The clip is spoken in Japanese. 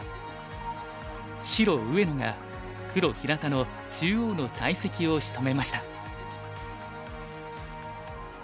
白上野が黒平田の中央の大石をしとめました。